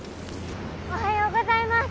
おはようございます。